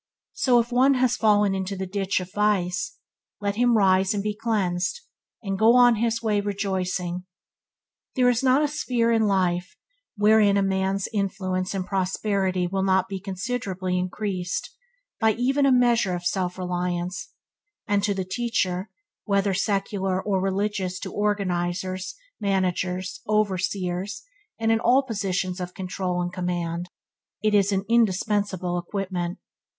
So if one has fallen into the ditch of vice, let him rise and be cleansed, and go on his way rejoicing. There is not a sphere in life wherein a man's influence and prosperity will not be considerably increased by even a measure of self reliance, and to the teacher – whether secular or religious to organizers, managers, overseers, and in all positions of control and command, it is an indispensable equipment.